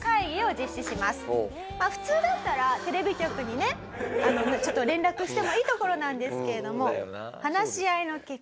まあ普通だったらテレビ局にねちょっと連絡してもいいところなんですけれども。